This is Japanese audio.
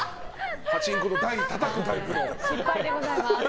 パチンコ台たたくタイプの。